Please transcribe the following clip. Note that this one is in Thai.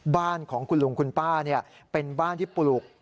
บ้านของคุณลุงคุณป้าเป็นบ้านที่ปลูก